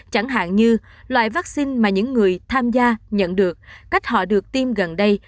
chẳng hạn như loại vaccine mà những người tham gia nhận được cách họ được tiêm gần đây